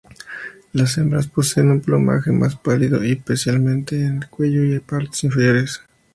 Las hembras poseen un plumaje más pálido, especialmente en el cuello y partes inferiores.